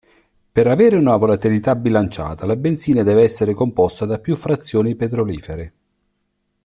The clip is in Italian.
Per avere una volatilità bilanciata la benzina deve essere composta da più frazioni petrolifere.